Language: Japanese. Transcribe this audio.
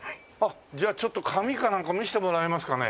じゃあちょっと紙かなんか見せてもらえますかね？